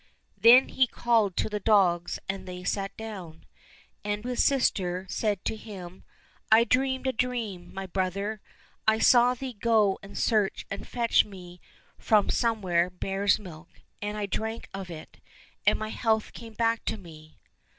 Then he called to the dogs, and they sat down. And his sister said to him, " I dreamed a dream, my 67 COSSACK FAIRY TALES brother. I saw thee go and search and fetch me from somewhere bear's milk, and I drank of it, and my health came back to me."